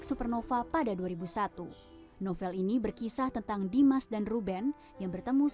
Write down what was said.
saya tahu selamat inteligensi embun pagi